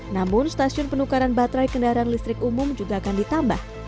namun stasiun penukaran baterai kendaraan listrik umum juga akan ditambah